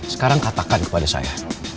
sekarang katakan kepada saya